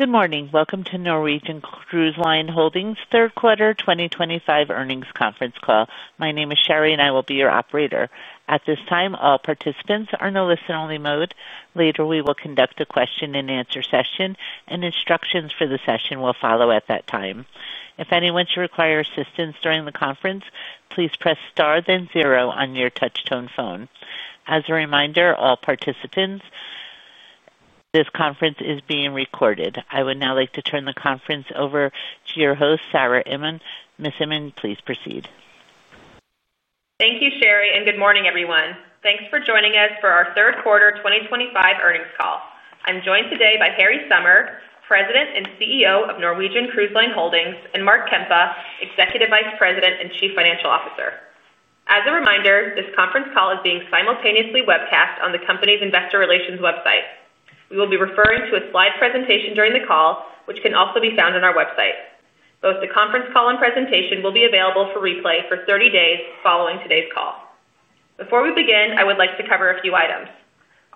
Good morning. Welcome to Norwegian Cruise Line Holdings' third-quarter 2025 earnings conference call. My name is Sherry, and I will be your operator. At this time, all participants are in a listen-only mode. Later, we will conduct a question-and-answer session, and instructions for the session will follow at that time. If anyone should require assistance during the conference, please press star then zero on your touch-tone phone. As a reminder, all participants, this conference is being recorded. I would now like to turn the conference over to your host, Sarah Inmon. Ms. Inmon, please proceed. Thank you, Sherry, and good morning, everyone. Thanks for joining us for our third-quarter 2025 earnings call. I'm joined today by Harry Sommer, President and CEO of Norwegian Cruise Line Holdings, and Mark Kempa, Executive Vice President and Chief Financial Officer. As a reminder, this conference call is being simultaneously webcast on the company's investor relations website. We will be referring to a slide presentation during the call, which can also be found on our website. Both the conference call and presentation will be available for replay for 30 days following today's call. Before we begin, I would like to cover a few items.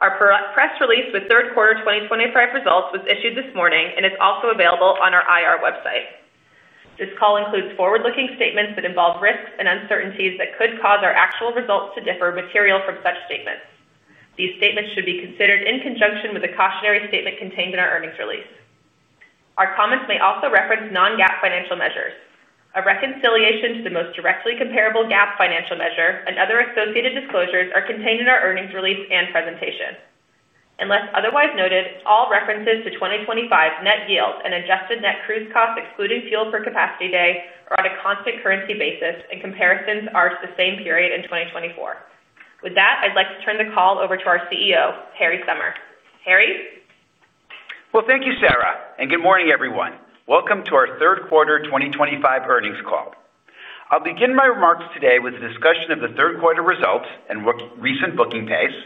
Our press release with third-quarter 2025 results was issued this morning, and it's also available on our IR website. This call includes forward-looking statements that involve risks and uncertainties that could cause our actual results to differ materially from such statements. These statements should be considered in conjunction with a cautionary statement contained in our earnings release. Our comments may also reference non-GAAP financial measures. A reconciliation to the most directly comparable GAAP financial measure and other associated disclosures are contained in our earnings release and presentation. Unless otherwise noted, all references to 2025 net yield and adjusted net cruise costs, excluding fuel per capacity day, are on a constant currency basis, and comparisons are to the same period in 2024. With that, I'd like to turn the call over to our CEO, Harry Sommer. Harry? Thank you, Sarah, and good morning, everyone. Welcome to our third-quarter 2025 earnings call. I'll begin my remarks today with a discussion of the third-quarter results and recent booking pace,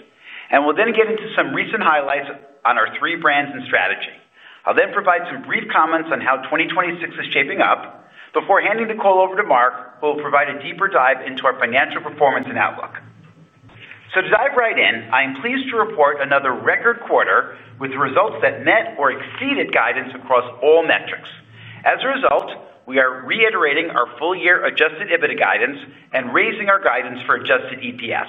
and we'll then get into some recent highlights on our three brands and strategy. I'll then provide some brief comments on how 2026 is shaping up before handing the call over to Mark, who will provide a deeper dive into our financial performance and outlook. To dive right in, I am pleased to report another record quarter with results that met or exceeded guidance across all metrics. As a result, we are reiterating our full-year adjusted EBITDA guidance and raising our guidance for adjusted EPS.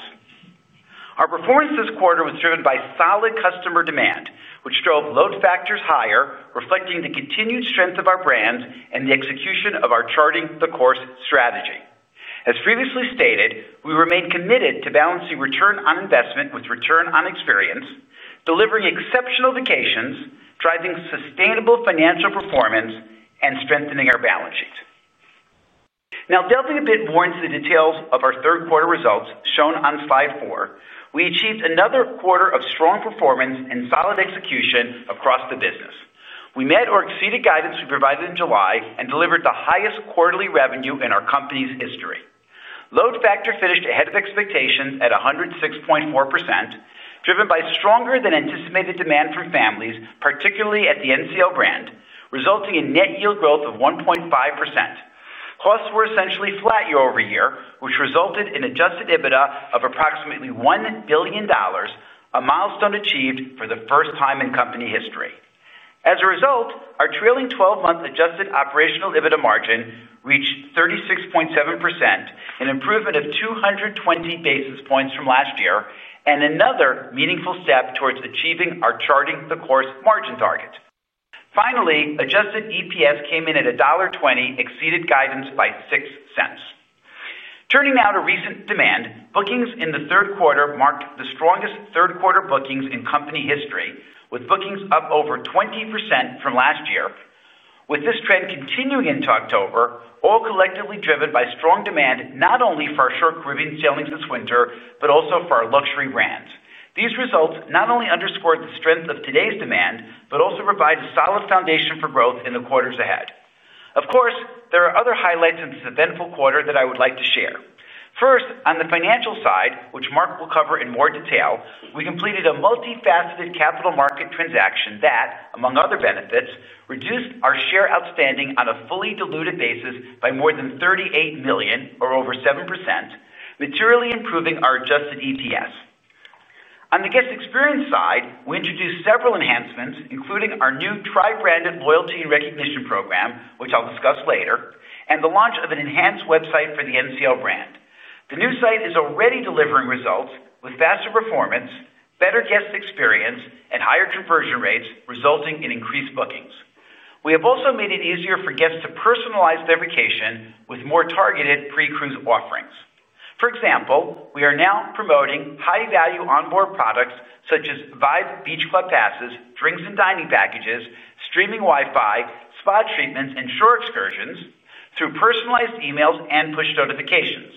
Our performance this quarter was driven by solid customer demand, which drove load factors higher, reflecting the continued strength of our brand and the execution of our charting-the-course strategy. As previously stated, we remain committed to balancing return on investment with return on experience, delivering exceptional vacations, driving sustainable financial performance, and strengthening our balance sheet. Now, delving a bit more into the details of our third-quarter results, shown on slide four, we achieved another quarter of strong performance and solid execution across the business. We met or exceeded guidance we provided in July and delivered the highest quarterly revenue in our company's history. Load factor finished ahead of expectations at 106.4%, driven by stronger-than-anticipated demand from families, particularly at the NCL brand, resulting in net yield growth of 1.5%. Costs were essentially flat year-over-year, which resulted in adjusted EBITDA of approximately $1 billion, a milestone achieved for the first time in company history. As a result, our trailing 12-month adjusted operational EBITDA margin reached 36.7%, an improvement of 220 basis points from last year, and another meaningful step towards achieving our charting-the-course margin target. Finally, adjusted EPS came in at $1.20, exceeding guidance by $0.06. Turning now to recent demand, bookings in the third quarter marked the strongest third-quarter bookings in company history, with bookings up over 20% from last year. With this trend continuing into October, all collectively driven by strong demand not only for our short-cruising sailings this winter but also for our luxury brands. These results not only underscored the strength of today's demand but also provide a solid foundation for growth in the quarters ahead. Of course, there are other highlights in this eventful quarter that I would like to share. First, on the financial side, which Mark will cover in more detail, we completed a multifaceted capital market transaction that, among other benefits, reduced our shares outstanding on a fully diluted basis by more than 38 million, or over 7%, materially improving our adjusted EPS. On the guest experience side, we introduced several enhancements, including our new Tri-Branded Loyalty and Recognition Program, which I'll discuss later, and the launch of an enhanced website for the NCL brand. The new site is already delivering results with faster performance, better guest experience, and higher conversion rates, resulting in increased bookings. We have also made it easier for guests to personalize their vacation with more targeted pre-cruise offerings. For example, we are now promoting high-value onboard products such as Vibe Beach Club passes, drinks and dining packages, streaming Wi-Fi, spa treatments, and shore excursions through personalized emails and push notifications.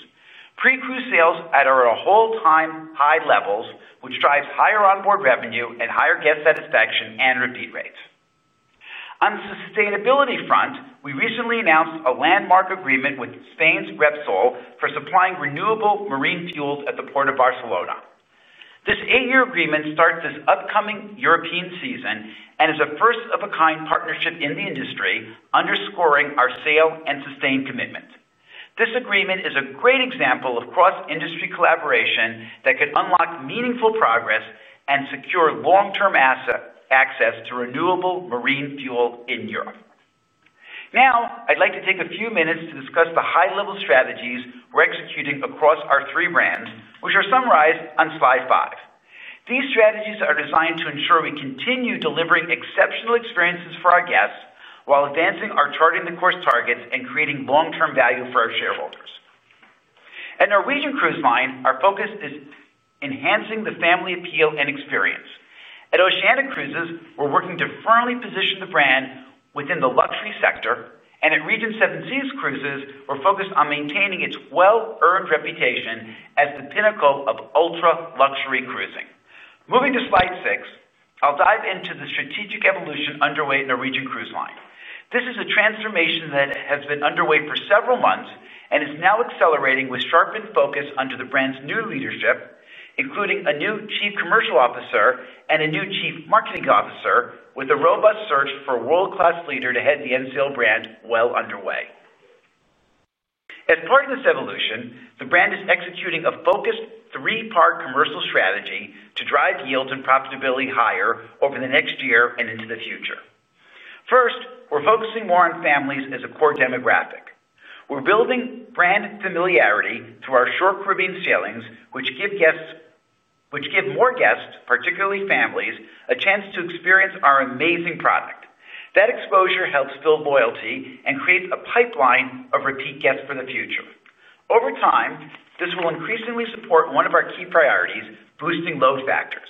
Pre-cruise sales are at all-time high levels, which drives higher onboard revenue and higher guest satisfaction and repeat rates. On the sustainability front, we recently announced a landmark agreement with Spain's Repsol for supplying renewable marine fuels at the Port of Barcelona. This eight-year agreement starts this upcoming European season and is a first-of-a-kind partnership in the industry, underscoring our Sail and Sustain commitment. This agreement is a great example of cross-industry collaboration that could unlock meaningful progress and secure long-term access to renewable marine fuel in Europe. Now, I'd like to take a few minutes to discuss the high-level strategies we're executing across our three brands, which are summarized on slide five. These strategies are designed to ensure we continue delivering exceptional experiences for our guests while advancing our Charting the Course targets and creating long-term value for our shareholders. At Norwegian Cruise Line, our focus is enhancing the family appeal and experience. At Oceania Cruises, we're working to firmly position the brand within the luxury sector, and at Regent Seven Seas Cruises, we're focused on maintaining its well-earned reputation as the pinnacle of ultra-luxury cruising. Moving to slide six, I'll dive into the strategic evolution underway at Norwegian Cruise Line. This is a transformation that has been underway for several months and is now accelerating with sharpened focus under the brand's new leadership, including a new Chief Commercial Officer and a new Chief Marketing Officer, with a robust search for a world-class leader to head the NCL brand well underway. As part of this evolution, the brand is executing a focused three-part commercial strategy to drive yields and profitability higher over the next year and into the future. First, we're focusing more on families as a core demographic. We're building brand familiarity through our short-cruising sailings, which give more guests, particularly families, a chance to experience our amazing product. That exposure helps build loyalty and creates a pipeline of repeat guests for the future. Over time, this will increasingly support one of our key priorities: boosting load factors.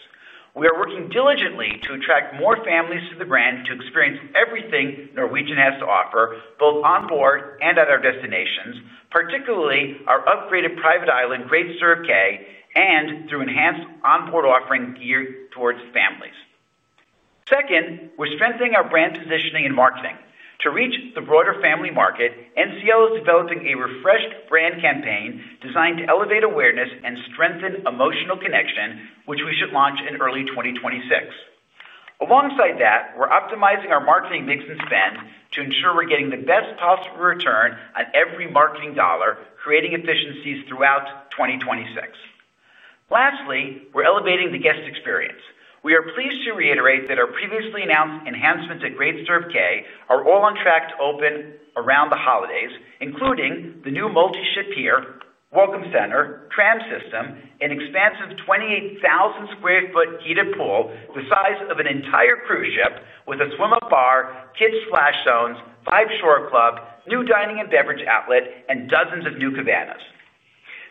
We are working diligently to attract more families to the brand to experience everything Norwegian has to offer, both onboard and at our destinations, particularly our upgraded private island, Great Stirrup Cay, and through enhanced onboard offerings geared towards families. Second, we're strengthening our brand positioning and marketing. To reach the broader family market, NCL is developing a refreshed brand campaign designed to elevate awareness and strengthen emotional connection, which we should launch in early 2026. Alongside that, we're optimizing our marketing mix and spend to ensure we're getting the best possible return on every marketing dollar, creating efficiencies throughout 2026. Lastly, we're elevating the guest experience. We are pleased to reiterate that our previously announced enhancements at Great Stirrup Cay are all on track to open around the holidays, including the new multi-ship pier, welcome center, tram system, an expansive 28,000 sq ft heated pool the size of an entire cruise ship, with a swim-up bar, kids' splash zones, Vibe Beach Club, new dining and beverage outlet, and dozens of new cabanas.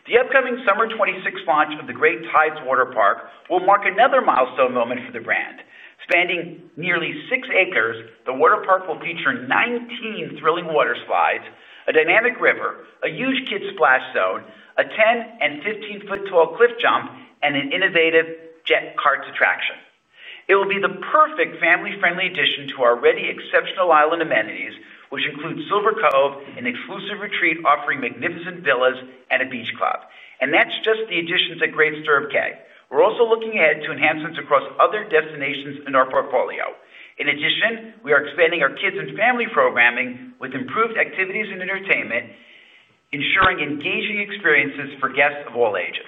The upcoming summer 2026 launch of the Great Tides Waterpark will mark another milestone moment for the brand. Spanning nearly six acres, the waterpark will feature 19 thrilling water slides, a dynamic river, a huge kids' splash zone, a 10 and 15-foot tall cliff jump, and an innovative jet karts attraction. It will be the perfect family-friendly addition to our already exceptional island amenities, which include Silver Cove, an exclusive retreat offering magnificent villas, and a beach club. That is just the additions at Great Stirrup Cay. We're also looking ahead to enhancements across other destinations in our portfolio. In addition, we are expanding our kids' and family programming with improved activities and entertainment. Ensuring engaging experiences for guests of all ages.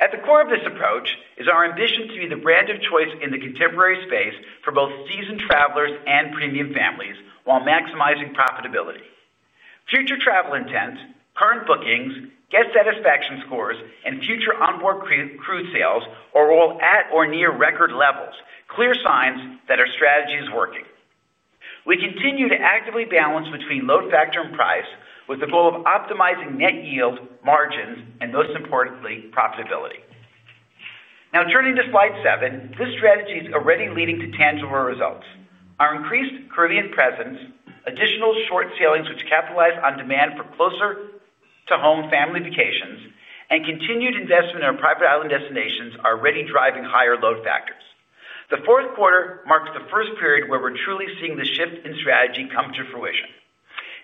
At the core of this approach is our ambition to be the brand of choice in the contemporary space for both seasoned travelers and premium families while maximizing profitability. Future travel intent, current bookings, guest satisfaction scores, and future onboard cruise sales are all at or near record levels, clear signs that our strategy is working. We continue to actively balance between load factor and price with the goal of optimizing net yield, margins, and most importantly, profitability. Now, turning to slide seven, this strategy is already leading to tangible results. Our increased Caribbean presence, additional short sailings, which capitalize on demand for closer-to-home family vacations, and continued investment in our private island destinations are already driving higher load factors. The fourth quarter marks the first period where we're truly seeing the shift in strategy come to fruition.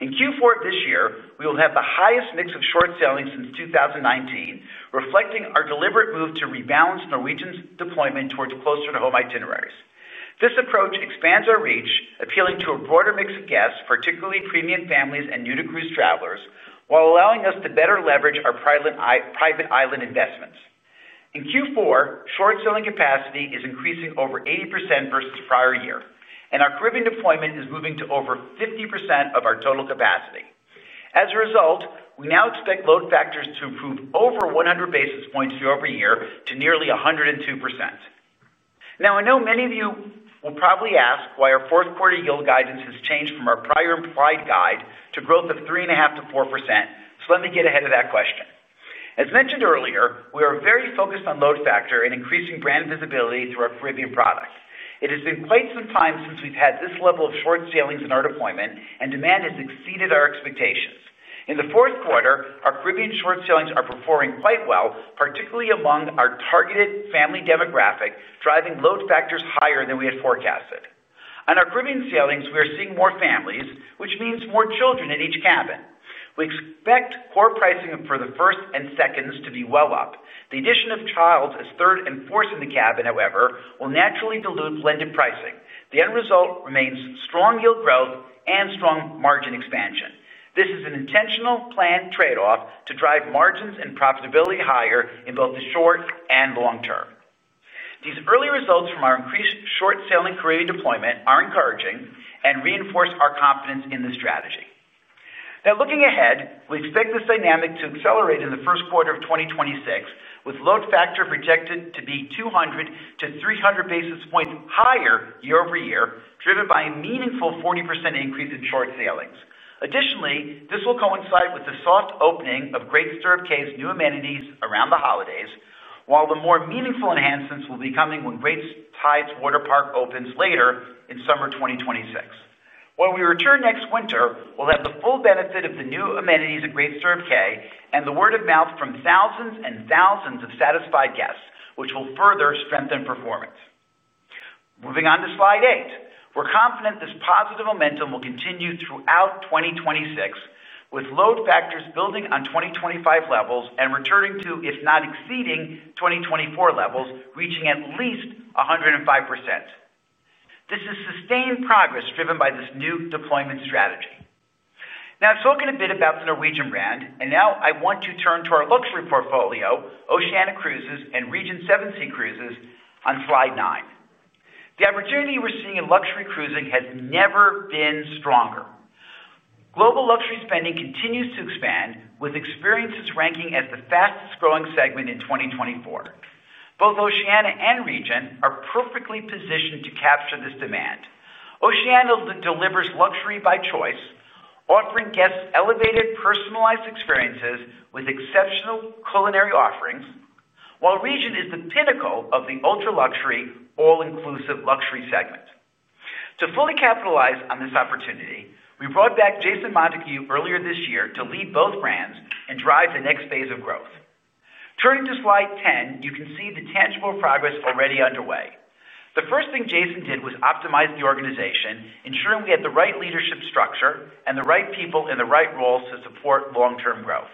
In Q4 of this year, we will have the highest mix of short sailings since 2019, reflecting our deliberate move to rebalance Norwegian's deployment towards closer-to-home itineraries. This approach expands our reach, appealing to a broader mix of guests, particularly premium families and new-to-cruise travelers, while allowing us to better leverage our private island investments. In Q4, short sailing capacity is increasing over 80% versus the prior year, and our Caribbean deployment is moving to over 50% of our total capacity. As a result, we now expect load factors to improve over 100 basis points year-over-year to nearly 102%. Now, I know many of you will probably ask why our fourth-quarter yield guidance has changed from our prior implied guide to growth of 3.5%-4%. Let me get ahead of that question. As mentioned earlier, we are very focused on load factor and increasing brand visibility through our Caribbean product. It has been quite some time since we've had this level of short sailings in our deployment, and demand has exceeded our expectations. In the fourth quarter, our Caribbean short sailings are performing quite well, particularly among our targeted family demographic, driving load factors higher than we had forecasted. On our Caribbean sailings, we are seeing more families, which means more children in each cabin. We expect core pricing for the first and seconds to be well up. The addition of child as third and fourth in the cabin, however, will naturally dilute blended pricing. The end result remains strong yield growth and strong margin expansion. This is an intentional planned trade-off to drive margins and profitability higher in both the short and long term. These early results from our increased short sailing Caribbean deployment are encouraging and reinforce our confidence in the strategy. Now, looking ahead, we expect this dynamic to accelerate in the first quarter of 2026, with load factor projected to be 200-300 basis points higher year-over-year, driven by a meaningful 40% increase in short sailings. Additionally, this will coincide with the soft opening of Great Stirrup Cay's new amenities around the holidays, while the more meaningful enhancements will be coming when Great Tides Waterpark opens later in summer 2026. When we return next winter, we'll have the full benefit of the new amenities at Great Stirrup Cay and the word of mouth from thousands and thousands of satisfied guests, which will further strengthen performance. Moving on to slide eight, we're confident this positive momentum will continue throughout 2026, with load factors building on 2025 levels and returning to, if not exceeding, 2024 levels, reaching at least 105%. This is sustained progress driven by this new deployment strategy. Now, I've spoken a bit about the Norwegian brand, and now I want to turn to our luxury portfolio, Oceania Cruises and Regent Seven Seas Cruises on slide nine. The opportunity we're seeing in luxury cruising has never been stronger. Global luxury spending continues to expand, with experiences ranking as the fastest-growing segment in 2024. Both Oceania and Regent are perfectly positioned to capture this demand. Oceania delivers luxury by choice, offering guests elevated personalized experiences with exceptional culinary offerings, while Regent is the pinnacle of the ultra-luxury, all-inclusive luxury segment. To fully capitalize on this opportunity, we brought back Jason Montague earlier this year to lead both brands and drive the next phase of growth. Turning to slide 10, you can see the tangible progress already underway. The first thing Jason did was optimize the organization, ensuring we had the right leadership structure and the right people in the right roles to support long-term growth.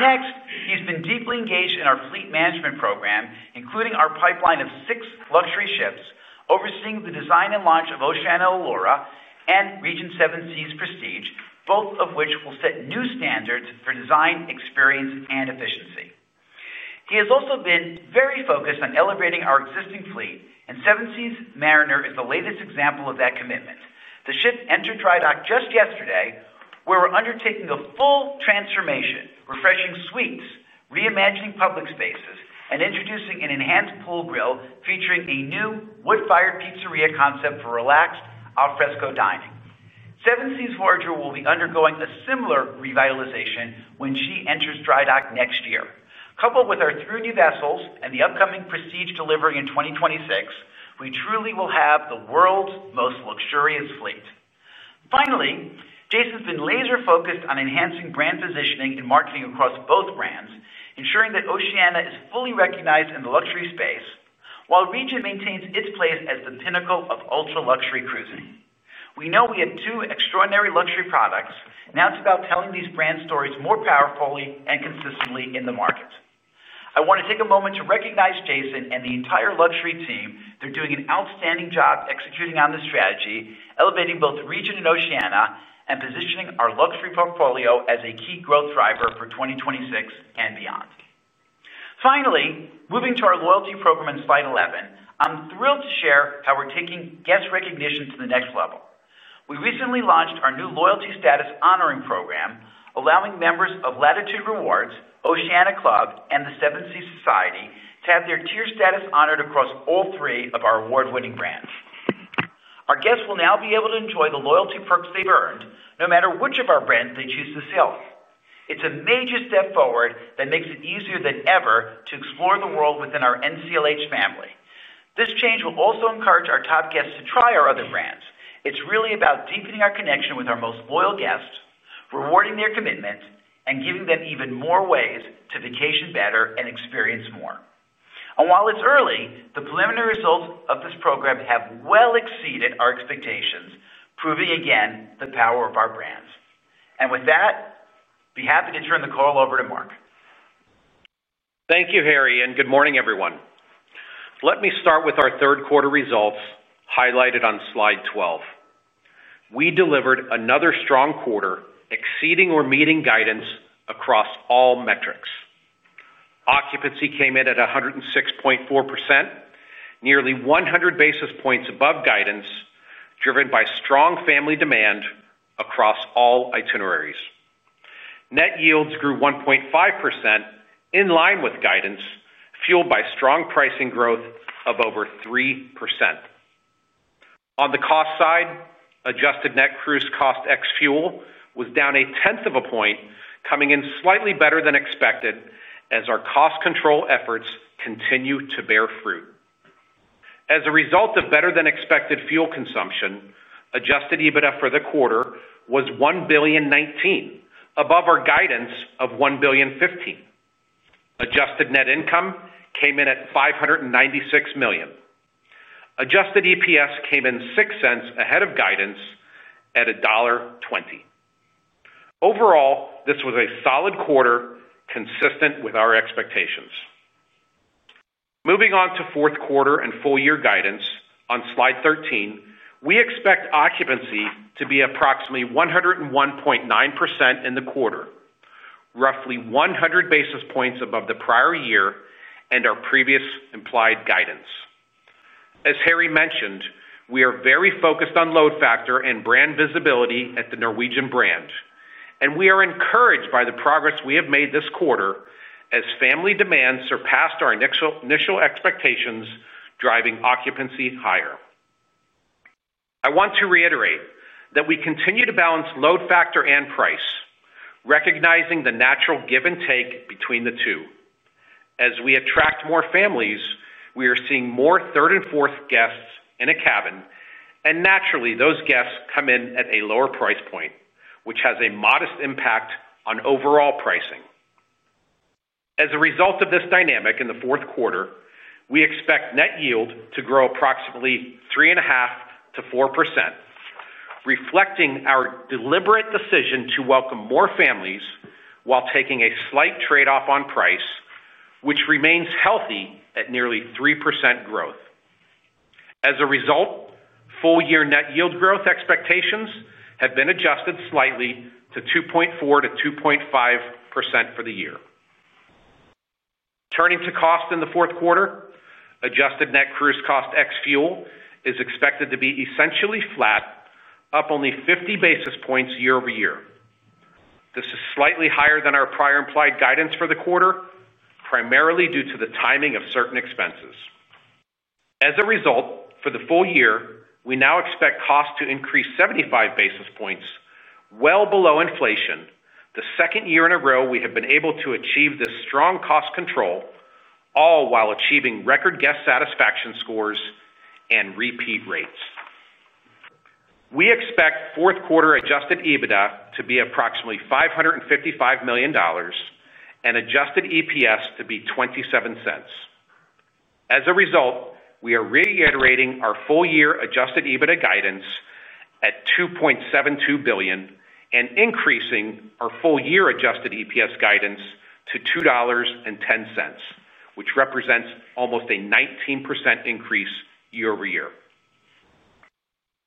Next, he's been deeply engaged in our fleet management program, including our pipeline of six luxury ships, overseeing the design and launch of Oceania Allura and Seven Seas Prestige, both of which will set new standards for design, experience, and efficiency. He has also been very focused on elevating our existing fleet, and Seven Seas Mariner is the latest example of that commitment. The ship entered Tridock just yesterday, where we're undertaking a full transformation, refreshing suites, reimagining public spaces, and introducing an enhanced pool grill featuring a new wood-fired pizzeria concept for relaxed al fresco dining. Seven Seas Voyager will be undergoing a similar revitalization when she enters Tridock next year. Coupled with our three new vessels and the upcoming Prestige delivery in 2026, we truly will have the world's most luxurious fleet. Finally, Jason's been laser-focused on enhancing brand positioning and marketing across both brands, ensuring that Oceania is fully recognized in the luxury space, while Regent maintains its place as the pinnacle of ultra-luxury cruising. We know we have two extraordinary luxury products, and that's about telling these brand stories more powerfully and consistently in the market. I want to take a moment to recognize Jason and the entire luxury team. They're doing an outstanding job executing on this strategy, elevating both Regent and Oceania, and positioning our luxury portfolio as a key growth driver for 2026 and beyond. Finally, moving to our loyalty program in slide 11, I'm thrilled to share how we're taking guest recognition to the next level. We recently launched our new loyalty status honoring program, allowing members of Latitude Rewards, Oceania Club, and the Seven Seas Society to have their tier status honored across all three of our award-winning brands. Our guests will now be able to enjoy the loyalty perks they've earned, no matter which of our brands they choose to sail. It's a major step forward that makes it easier than ever to explore the world within our NCLH family. This change will also encourage our top guests to try our other brands. It's really about deepening our connection with our most loyal guests, rewarding their commitment, and giving them even more ways to vacation better and experience more. While it's early, the preliminary results of this program have well exceeded our expectations, proving again the power of our brands. With that, be happy to turn the call over to Mark. Thank you, Harry, and good morning, everyone. Let me start with our third-quarter results highlighted on slide 12. We delivered another strong quarter, exceeding or meeting guidance across all metrics. Occupancy came in at 106.4%, nearly 100 basis points above guidance, driven by strong family demand across all itineraries. Net yields grew 1.5% in line with guidance, fueled by strong pricing growth of over 3%. On the cost side, adjusted net cruise cost ex-fuel was down a tenth of a point, coming in slightly better than expected as our cost control efforts continue to bear fruit. As a result of better-than-expected fuel consumption, adjusted EBITDA for the quarter was $1.19 billion, above our guidance of $1.15 billion. Adjusted net income came in at $596 million. Adjusted EPS came in $0.06 ahead of guidance at $1.20. Overall, this was a solid quarter consistent with our expectations. Moving on to fourth quarter and full-year guidance, on slide 13, we expect occupancy to be approximately 101.9% in the quarter, roughly 100 basis points above the prior year and our previous implied guidance. As Harry mentioned, we are very focused on load factor and brand visibility at the Norwegian brand, and we are encouraged by the progress we have made this quarter as family demand surpassed our initial expectations, driving occupancy higher. I want to reiterate that we continue to balance load factor and price, recognizing the natural give and take between the two. As we attract more families, we are seeing more third and fourth guests in a cabin, and naturally, those guests come in at a lower price point, which has a modest impact on overall pricing. As a result of this dynamic in the fourth quarter, we expect net yield to grow approximately 3.5%-4%. Reflecting our deliberate decision to welcome more families while taking a slight trade-off on price, which remains healthy at nearly 3% growth. As a result, full-year net yield growth expectations have been adjusted slightly to 2.4%-2.5% for the year. Turning to cost in the fourth quarter, adjusted net cruise cost ex-fuel is expected to be essentially flat, up only 50 basis points year-over-year. This is slightly higher than our prior implied guidance for the quarter, primarily due to the timing of certain expenses. As a result, for the full year, we now expect costs to increase 75 basis points, well below inflation, the second year in a row we have been able to achieve this strong cost control, all while achieving record guest satisfaction scores and repeat rates. We expect fourth-quarter adjusted EBITDA to be approximately $555 million and adjusted EPS to be $0.27. As a result, we are reiterating our full-year adjusted EBITDA guidance at $2.72 billion and increasing our full-year adjusted EPS guidance to $2.10, which represents almost a 19% increase year-over-year.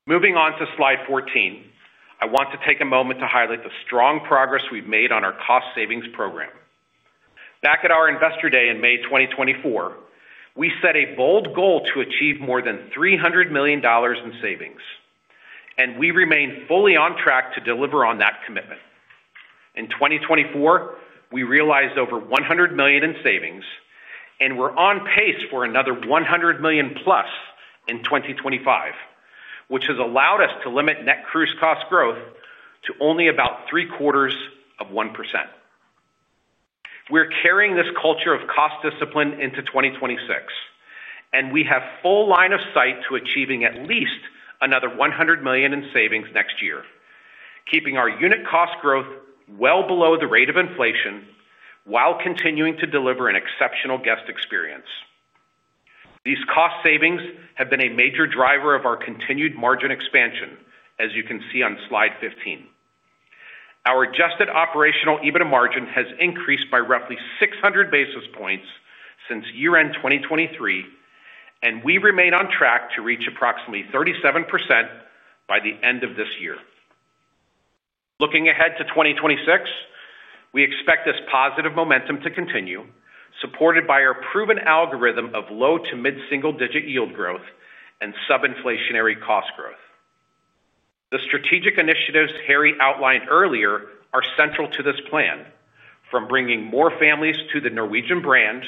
Moving on to slide 14, I want to take a moment to highlight the strong progress we've made on our cost savings program. Back at our investor day in May 2024, we set a bold goal to achieve more than $300 million in savings, and we remain fully on track to deliver on that commitment. In 2024, we realized over $100 million in savings, and we're on pace for another $100 million+ in 2025, which has allowed us to limit net cruise cost growth to only about three-quarters of 1%. We're carrying this culture of cost discipline into 2026. We have full line of sight to achieving at least another $100 million in savings next year, keeping our unit cost growth well below the rate of inflation while continuing to deliver an exceptional guest experience. These cost savings have been a major driver of our continued margin expansion, as you can see on slide 15. Our adjusted operational EBITDA margin has increased by roughly 600 basis points since year-end 2023. We remain on track to reach approximately 37% by the end of this year. Looking ahead to 2026, we expect this positive momentum to continue, supported by our proven algorithm of low to mid-single-digit yield growth and sub-inflationary cost growth. The strategic initiatives Harry outlined earlier are central to this plan, from bringing more families to the Norwegian brand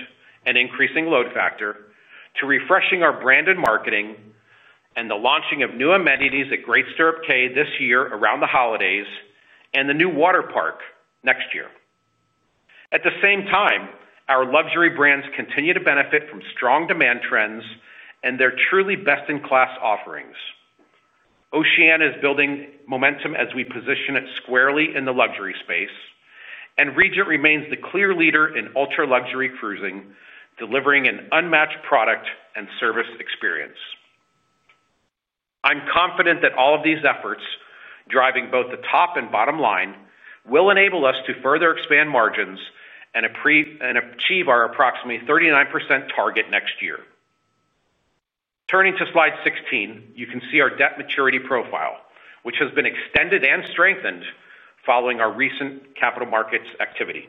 and increasing load factor to refreshing our brand and marketing and the launching of new amenities at Great Stirrup Cay this year around the holidays and the new waterpark next year. At the same time, our luxury brands continue to benefit from strong demand trends and their truly best-in-class offerings. Oceania is building momentum as we position it squarely in the luxury space, and Regent remains the clear leader in ultra-luxury cruising, delivering an unmatched product and service experience. I'm confident that all of these efforts, driving both the top and bottom line, will enable us to further expand margins and achieve our approximately 39% target next year. Turning to slide 16, you can see our debt maturity profile, which has been extended and strengthened following our recent capital markets activity.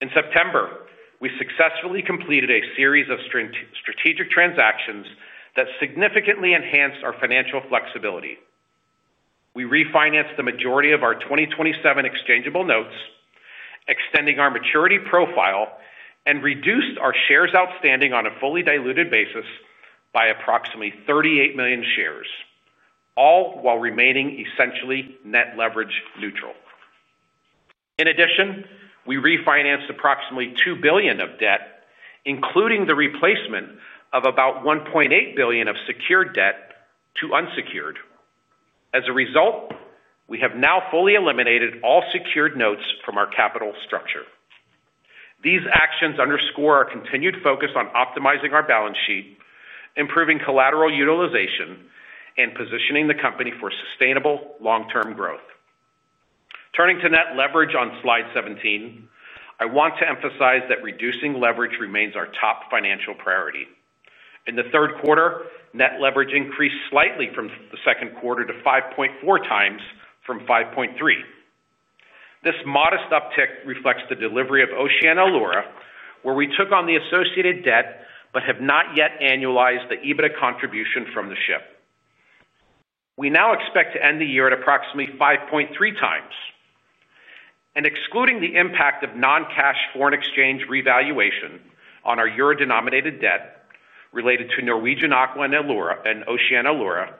In September, we successfully completed a series of strategic transactions that significantly enhanced our financial flexibility. We refinanced the majority of our 2027 exchangeable notes, extending our maturity profile, and reduced our shares outstanding on a fully diluted basis by approximately 38 million shares, all while remaining essentially net leverage neutral. In addition, we refinanced approximately $2 billion of debt, including the replacement of about $1.8 billion of secured debt to unsecured. As a result, we have now fully eliminated all secured notes from our capital structure. These actions underscore our continued focus on optimizing our balance sheet, improving collateral utilization, and positioning the company for sustainable long-term growth. Turning to net leverage on slide 17, I want to emphasize that reducing leverage remains our top financial priority. In the third quarter, net leverage increased slightly from the second quarter to 5.4x from 5.3x. This modest uptick reflects the delivery of Oceania Allura, where we took on the associated debt but have not yet annualized the EBITDA contribution from the ship. We now expect to end the year at approximately 5.3x. Excluding the impact of non-cash foreign exchange revaluation on our euro-denominated debt related to Norwegian Aqua and Oceania Allura,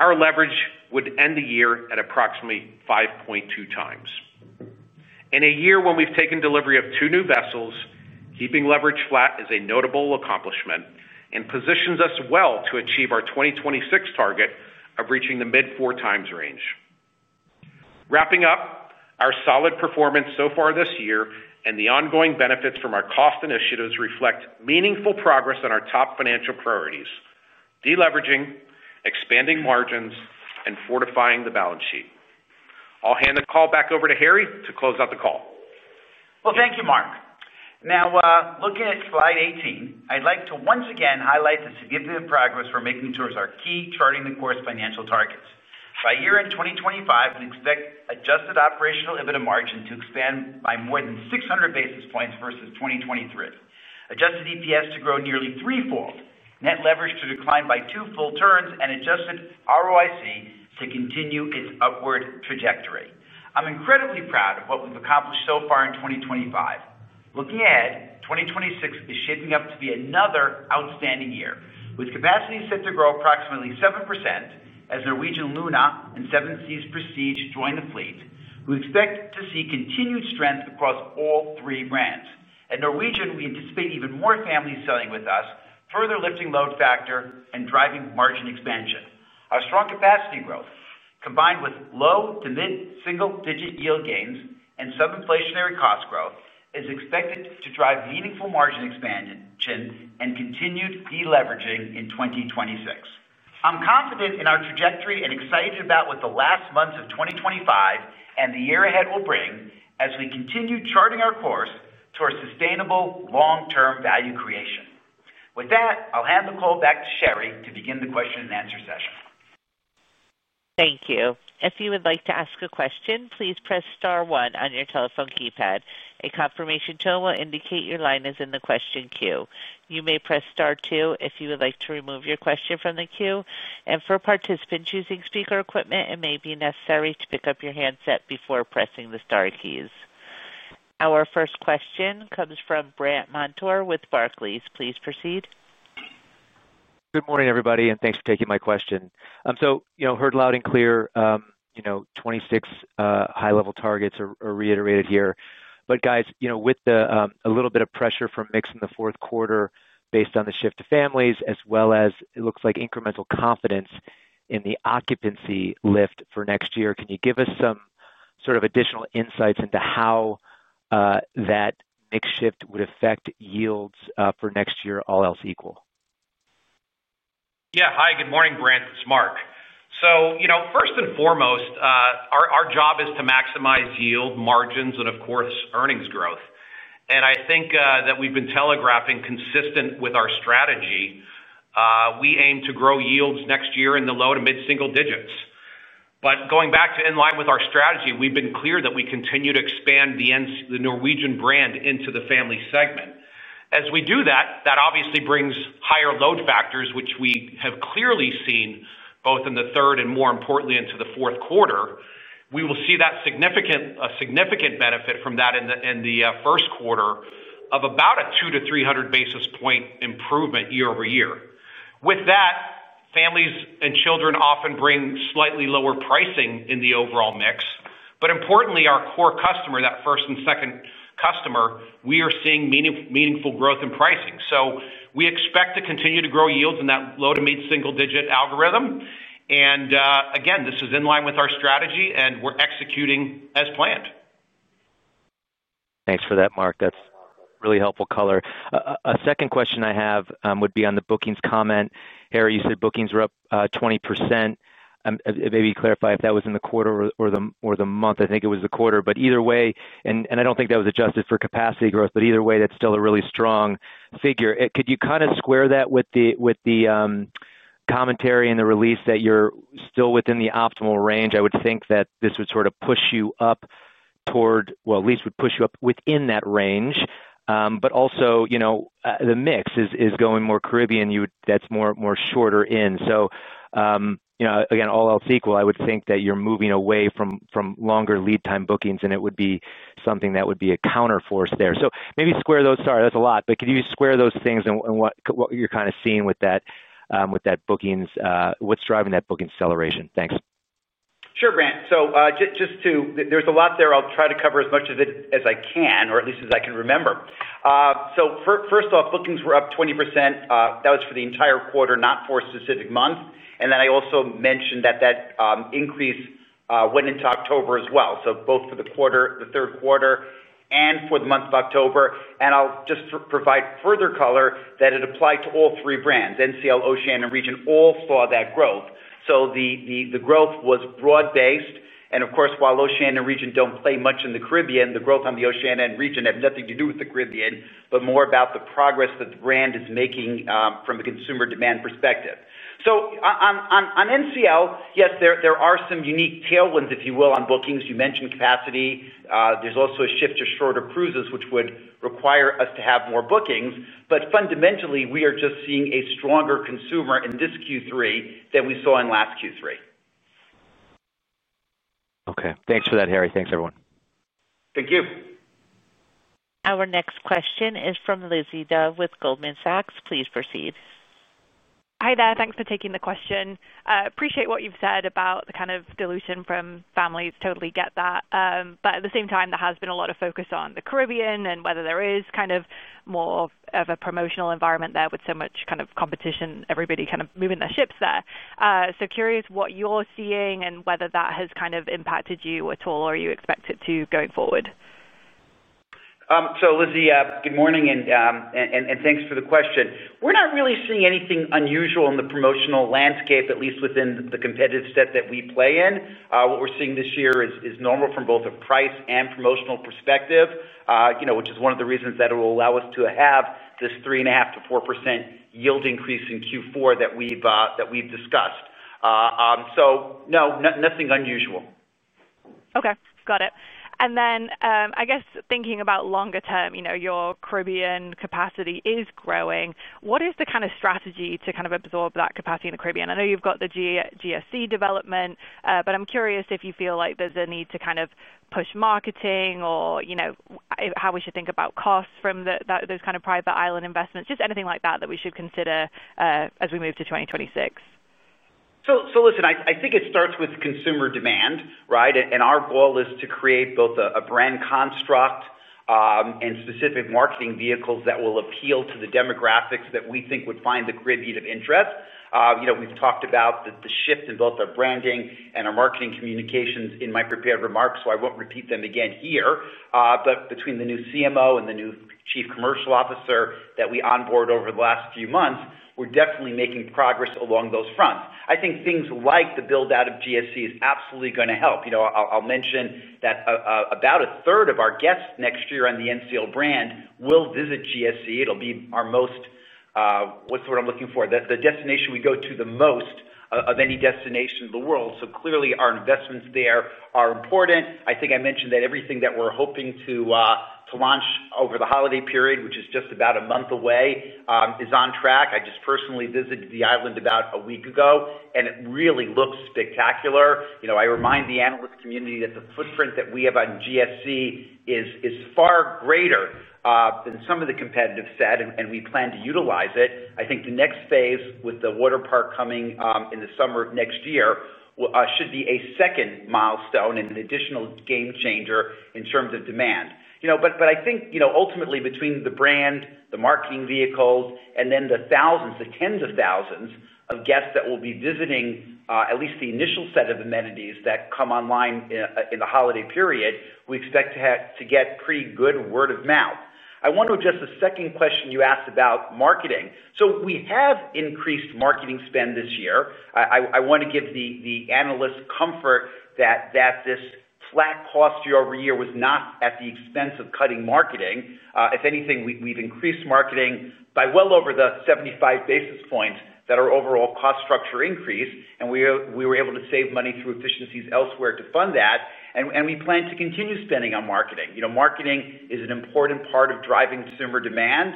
our leverage would end the year at approximately 5.2x. In a year when we've taken delivery of two new vessels, keeping leverage flat is a notable accomplishment and positions us well to achieve our 2026 target of reaching the mid-4x range. Wrapping up, our solid performance so far this year and the ongoing benefits from our cost initiatives reflect meaningful progress on our top financial priorities: deleveraging, expanding margins, and fortifying the balance sheet. I'll hand the call back over to Harry to close out the call. Thank you, Mark. Now, looking at slide 18, I'd like to once again highlight the significant progress we're making towards our key charting-the-course financial targets. By year-end 2025, we expect adjusted operational EBITDA margin to expand by more than 600 basis points versus 2023, adjusted EPS to grow nearly threefold, net leverage to decline by two full turns, and adjusted ROIC to continue its upward trajectory. I'm incredibly proud of what we've accomplished so far in 2025. Looking ahead, 2026 is shaping up to be another outstanding year, with capacity set to grow approximately 7% as Norwegian Luna and Seven Seas Prestige join the fleet. We expect to see continued strength across all three brands. At Norwegian, we anticipate even more families sailing with us, further lifting load factor and driving margin expansion. Our strong capacity growth, combined with low to mid-single-digit yield gains and sub-inflationary cost growth, is expected to drive meaningful margin expansion and continued deleveraging in 2026. I'm confident in our trajectory and excited about what the last months of 2025 and the year ahead will bring as we continue charting our course toward sustainable long-term value creation. With that, I'll hand the call back to Sherry to begin the question-and-answer session. Thank you. If you would like to ask a question, please press star, one on your telephone keypad. A confirmation tone will indicate your line is in the question queue. You may press star, two if you would like to remove your question from the queue. For participants using speaker equipment, it may be necessary to pick up your handset before pressing the star keys. Our first question comes from Brandt Montour with Barclays. Please proceed. Good morning, everybody, and thanks for taking my question. You know, heard loud and clear, you know, 26 high-level targets are reiterated here but, guys, you know, with a little bit of pressure from mix in the fourth quarter based on the shift to families, as well as it looks like incremental confidence in the occupancy lift for next year, can you give us some sort of additional insights into how that mix shift would affect yields for next year, all else equal? Yeah. Hi, good morning, Brandt. It's Mark. You know, first and foremost, our job is to maximize yield, margins, and, of course, earnings growth. I think that we've been telegraphing consistent with our strategy. We aim to grow yields next year in the low to mid-single digits. But going back to in line with our strategy, we've been clear that we continue to expand the Norwegian brand into the family segment. As we do that, that obviously brings higher load factors, which we have clearly seen both in the third and, more importantly, into the fourth quarter. We will see that significant benefit from that in the first quarter of about a 200-300 basis point improvement year-over-year. With that, families and children often bring slightly lower pricing in the overall mix. But importantly, our core customer, that first and second customer, we are seeing meaningful growth in pricing. So we expect to continue to grow yields in that low to mid-single digit algorithm. Again, this is in line with our strategy, and we're executing as planned. Thanks for that, Mark. That's really helpful color. A second question I have would be on the bookings comment. Harry, you said bookings were up 20%. Maybe you clarify if that was in the quarter or the month. I think it was the quarter, but either way, and I don't think that was adjusted for capacity growth, but either way, that's still a really strong figure. Could you kind of square that with the commentary in the release that you're still within the optimal range? I would think that this would sort of push you up toward, well, at least would push you up within that range. Also, you know, the mix is going more Caribbean. That's more shorter in. So, you know, again, all else equal, I would think that you're moving away from longer lead time bookings, and it would be something that would be a counterforce there. Maybe square those, sorry, that's a lot, but could you square those things and what you're kind of seeing with that. Bookings, what's driving that booking acceleration? Thanks. Sure, Brandt. Just to, there's a lot there. I'll try to cover as much of it as I can, or at least as I can remember. First off, bookings were up 20%. That was for the entire quarter, not for a specific month. I also mentioned that that increase went into October as well. So both for the quarter, the third quarter, and for the month of October. I'll just provide further color that it applied to all three brands. NCL, Oceania, and Regent all saw that growth. The growth was broad-based. Of course, while Oceania and Regent do not play much in the Caribbean, the growth on the Oceania and Regent has nothing to do with the Caribbean, but more about the progress that the brand is making from the consumer demand perspective. On NCL, yes, there are some unique tailwinds, if you will, on bookings. You mentioned capacity. There's also a shift to shorter cruises, which would require us to have more bookings. But fundamentally, we are just seeing a stronger consumer in this Q3 than we saw in last Q3. Okay. Thanks for that, Harry. Thanks, everyone. Thank you. Our next question is from Lizzie Dahl with Goldman Sachs. Please proceed. Hi there. Thanks for taking the question. Appreciate what you've said about the kind of dilution from families. Totally get that. At the same time, there has been a lot of focus on the Caribbean and whether there is kind of more of a promotional environment there with so much kind of competition, everybody kind of moving their ships there. Curious what you're seeing and whether that has kind of impacted you at all or you expect it to going forward. Lizzie, good morning and thanks for the question. We're not really seeing anything unusual in the promotional landscape, at least within the competitive set that we play in. What we're seeing this year is normal from both a price and promotional perspective, you know, which is one of the reasons that it will allow us to have this 3.5%-4% yield increase in Q4 that we've discussed. No, nothing unusual. Okay. Got it. I guess thinking about longer term, you know, your Caribbean capacity is growing. What is the kind of strategy to kind of absorb that capacity in the Caribbean? I know you've got the GSC development, but I'm curious if you feel like there's a need to kind of push marketing or, you know, how we should think about costs from those kind of private island investments, just anything like that that we should consider as we move to 2026. Listen, I think it starts with consumer demand, right? Our goal is to create both a brand construct and specific marketing vehicles that will appeal to the demographics that we think would find the Caribbean of interest. You know, we've talked about the shift in both our branding and our marketing communications in my prepared remarks, so I won't repeat them again here. Between the new CMO and the new chief commercial officer that we onboarded over the last few months, we're definitely making progress along those fronts. I think things like the build-out of GSC is absolutely going to help. I'll mention that about a third of our guests next year on the NCL brand will visit GSC. It'll be our most—what's the word I'm looking for—the destination we go to the most of any destination in the world. Clearly, our investments there are important. I think I mentioned that everything that we're hoping to launch over the holiday period, which is just about a month away, is on track. I just personally visited the island about a week ago, and it really looks spectacular. You know, I remind the analyst community that the footprint that we have on GSC is far greater than some of the competitive set, and we plan to utilize it. I think the next phase with the water park coming in the summer of next year should be a second milestone and an additional game changer in terms of demand. You know, but I think, you know, ultimately between the brand, the marketing vehicles, and then the thousands, the tens of thousands of guests that will be visiting at least the initial set of amenities that come online in the holiday period, we expect to get pretty good word of mouth. I want to address the second question you asked about marketing. So we have increased marketing spend this year. I want to give the analyst comfort that this flat cost year over-year-was not at the expense of cutting marketing. If anything, we've increased marketing by well over the 75 basis points that our overall cost structure increased, and we were able to save money through efficiencies elsewhere to fund that. And we plan to continue spending on marketing. You know, marketing is an important part of driving consumer demand.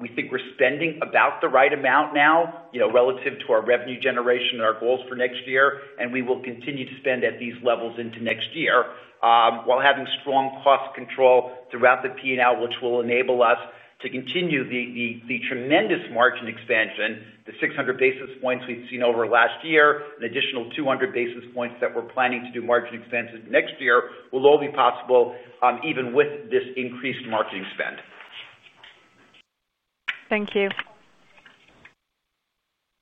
We think we're spending about the right amount now, you know, relative to our revenue generation and our goals for next year, and we will continue to spend at these levels into next year while having strong cost control throughout the P&L, which will enable us to continue the tremendous margin expansion, the 600 basis points we've seen over last year, an additional 200 basis points that we're planning to do margin expansion next year will all be possible even with this increased marketing spend. Thank you.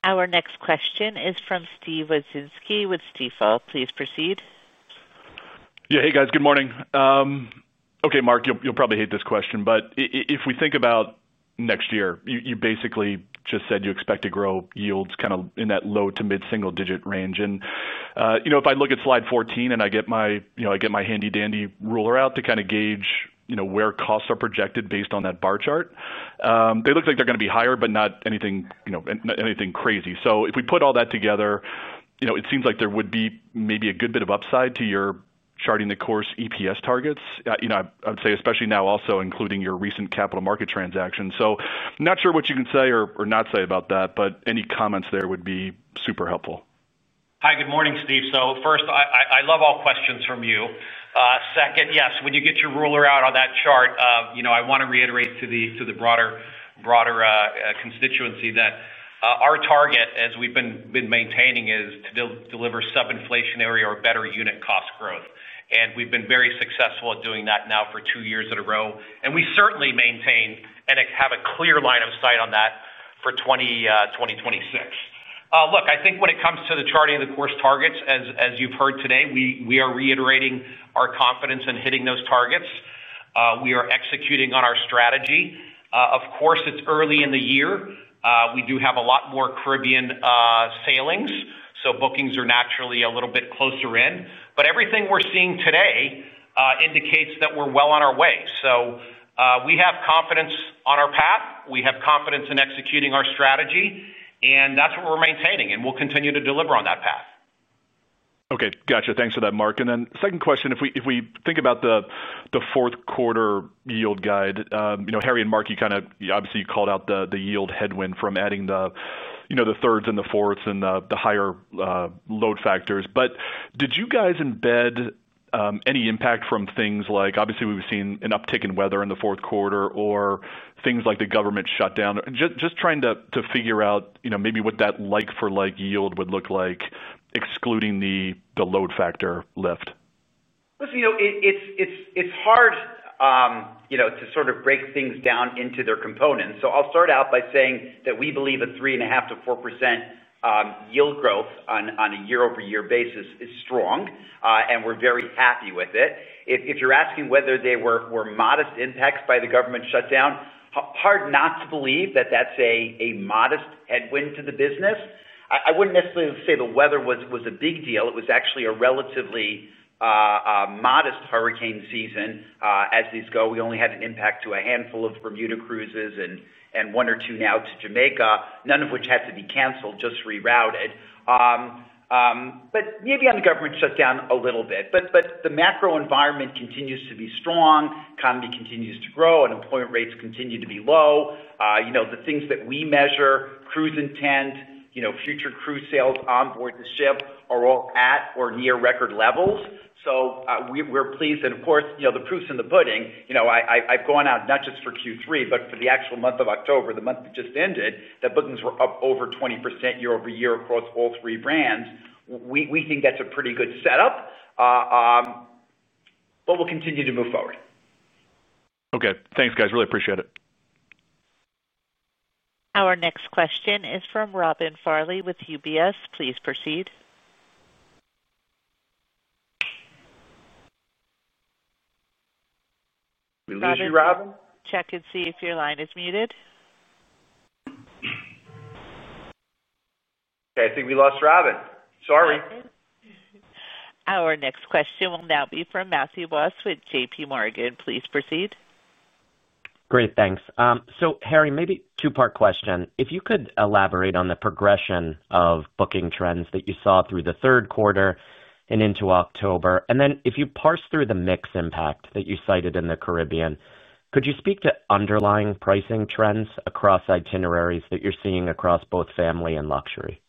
Our next question is from Steve Wieczynski with Stifel. Please proceed. Yeah. Hey, guys. Good morning. Okay, Mark, you'll probably hate this question, but if we think about next year, you basically just said you expect to grow yields kind of in that low to mid-single digit range. And, you know, if I look at slide 14 and I get my, you know, I get my handy-dandy ruler out to kind of gauge, you know, where costs are projected based on that bar chart, they look like they're going to be higher, but not anything, you know, anything crazy. So if we put all that together, you know, it seems like there would be maybe a good bit of upside to your charting the course EPS targets. You know, I would say, especially now also including your recent capital market transactions. So not sure what you can say or not say about that, but any comments there would be super helpful. Hi, good morning, Steve. So first, I love all questions from you. Second, yes, when you get your ruler out on that chart, you know, I want to reiterate to the broader constituency that our target, as we've been maintaining, is to deliver sub-inflationary or better unit cost growth. We have been very successful at doing that now for two years in a row. We certainly maintain and have a clear line of sight on that for 2026. Look, I think when it comes to the charting of the course targets, as you have heard today, we are reiterating our confidence in hitting those targets. We are executing on our strategy. Of course, it is early in the year. We do have a lot more Caribbean sailings, so bookings are naturally a little bit closer in. Everything we are seeing today indicates that we are well on our way. We have confidence on our path. We have confidence in executing our strategy, and that is what we are maintaining, and we will continue to deliver on that path. Okay. Gotcha. Thanks for that, Mark. Second question, if we think about the fourth quarter yield guide, you know, Harry and Mark, you kind of obviously called out the yield headwind from adding the, you know, the thirds and the fourths and the higher load factors. Did you guys embed any impact from things like, obviously, we have seen an uptick in weather in the fourth quarter or things like the government shutdown? Just trying to figure out, you know, maybe what that like-for-like yield would look like, excluding the load factor lift. Listen, you know, it is hard to sort of break things down into their components. I will start out by saying that we believe a 3.5%-4% yield growth on a year-over-year basis is strong, and we are very happy with it. If you are asking whether there were modest impacts by the government shutdown, hard not to believe that that is a modest headwind to the business. I would not necessarily say the weather was a big deal. It was actually a relatively modest hurricane season as these go. We only had an impact to a handful of Bermuda cruises and one or two now to Jamaica, none of which had to be canceled, just rerouted. Maybe on the government shutdown a little bit. The macro environment continues to be strong. Economy continues to grow. Unemployment rates continue to be low. The things that we measure, cruise intent, future cruise sales onboard the ship are all at or near record levels. We are pleased. Of course, the proof is in the pudding. I have gone out not just for Q3, but for the actual month of October, the month that just ended, that bookings were up over 20% year-over-year across all three brands. We think that is a pretty good setup. We will continue to move forward. Okay. Thanks, guys. Really appreciate it. Our next question is from Robin Farley with UBS. Please proceed. We lose you, Robin. Check and see if your line is muted. Okay. I think we lost Robin. Sorry. Our next question will now be from Matthew Voss with JPMorgan. Please proceed. Great. Thanks. So, Harry, maybe two-part question. If you could elaborate on the progression of booking trends that you saw through the third quarter and into October, and then if you parse through the mixed impact that you cited in the Caribbean, could you speak to underlying pricing trends across itineraries that you're seeing across both family and luxury?